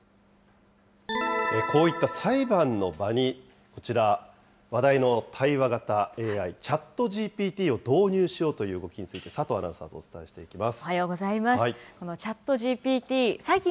こういった裁判の場に、こちら、話題の対話型ＡＩ、ＣｈａｔＧＰＴを導入しようという動きについて、佐藤アナウンサーとお伝えしていきます。